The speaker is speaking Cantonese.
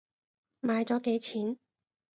買咗幾錢？